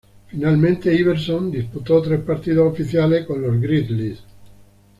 Finalmente, Iverson disputó tres partidos oficiales con los Grizzlies.